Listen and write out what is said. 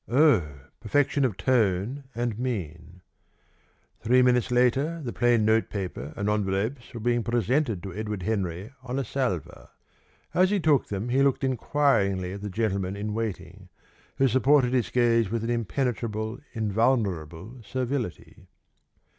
Oh! Perfection of tone and of mien! Three minutes later the plain note paper and envelopes were being presented to Edward Henry on a salver. As he took them, he looked enquiringly at the gentleman in waiting, who supported his gaze with an impenetrable, invulnerable servility.